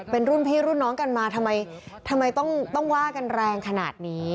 เป็นรุ่นพี่รุ่นน้องกันมาทำไมต้องว่ากันแรงขนาดนี้